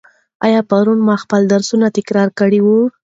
آیا پرون مو خپل درسونه تکرار کړي وو؟